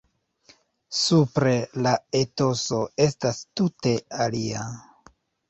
Supre la etoso estas tute alia.